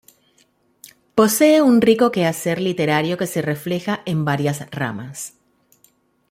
Posee un rico quehacer literario que se refleja en varias ramas.